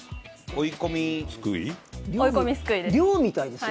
追い込みすくいです。